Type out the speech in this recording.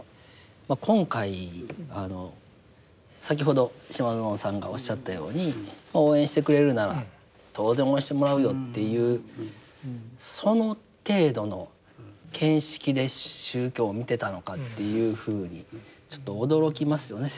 今回先ほど島薗さんがおっしゃったように応援してくれるなら当然応援してもらうよっていうその程度の見識で宗教を見てたのかっていうふうにちょっと驚きますよね。